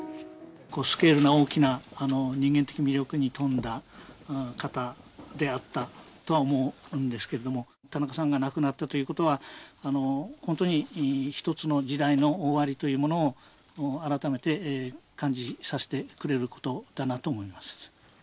スケールの大きな人間的魅力に富んだ方であったとは思うんですけども、田中さんが亡くなったということは、本当に一つの時代の終わりというものを、改めて感じさせてくれることだなと思います。